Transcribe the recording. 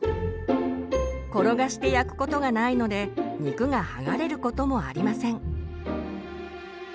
転がして焼くことがないので肉が剥がれることもありません。